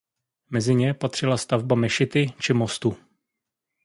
Mezi ně patřila stavba mešity či mostu.